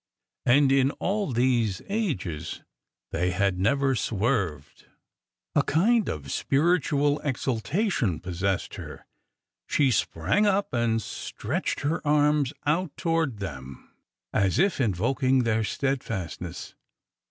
... And in all these ages they had never swerved 1 A kind of spiritual exaltation possessed her. She sprang up and stretched her arms out toward them, as if invoking their steadfastness.